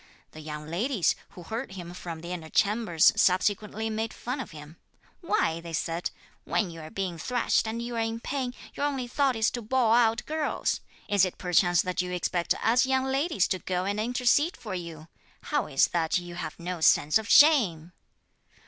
The young ladies, who heard him from the inner chambers, subsequently made fun of him. 'Why,' they said, 'when you are being thrashed, and you are in pain, your only thought is to bawl out girls! Is it perchance that you expect us young ladies to go and intercede for you? How is that you have no sense of shame?'